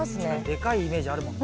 でかいイメージあるもんね。